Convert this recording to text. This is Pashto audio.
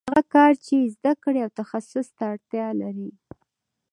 هغه کار چې زده کړې او تخصص ته اړتیا لري